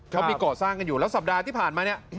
เขามีก่อสร้างอยู่แล้วสัปดาห์ที่ผ่านมา